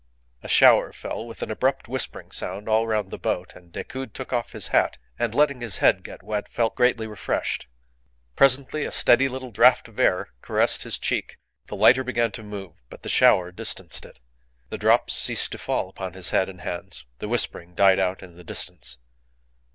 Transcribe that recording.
A shower fell with an abrupt whispering sound all round the boat, and Decoud took off his hat, and, letting his head get wet, felt greatly refreshed. Presently a steady little draught of air caressed his cheek. The lighter began to move, but the shower distanced it. The drops ceased to fall upon his head and hands, the whispering died out in the distance.